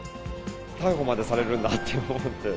逮捕までされるんだって思って。